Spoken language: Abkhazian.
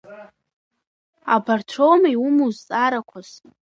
Абарҭ роума иумоу зҵаарақәас?